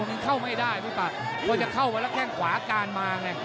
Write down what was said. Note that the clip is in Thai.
มันเข้าไม่ได้พี่ปากกลัวจะเข้ามาแล้วแข้งขวาการมาไง